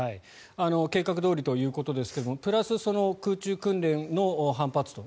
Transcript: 計画どおりということですがプラス、空中訓練の反発と。